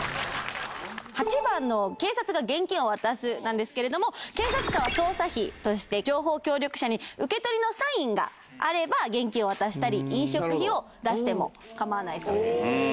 ８番の警察が現金を渡すなんですけれども警察官は捜査費として情報協力者に受け取りのサインがあれば現金を渡したり飲食費を出してもかまわないそうです。